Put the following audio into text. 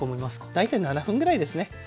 大体７分ぐらいですね。